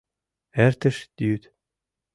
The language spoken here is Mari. ...Эртыш йӱд.